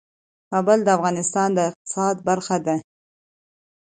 کابل د افغانستان د اقتصاد برخه ده.